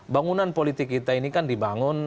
bangunan politik kita ini kan dibangun